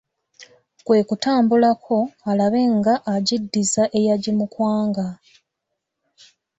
Kwe kutambulako alabe nga agiddiza eyagimukwanga.